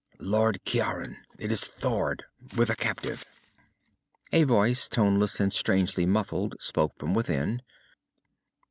"Lord Ciaran! It is Thord with a captive." A voice, toneless and strangely muffled, spoke from within.